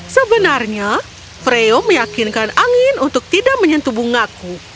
sebenarnya freo meyakinkan angin untuk tidak menyentuh bungaku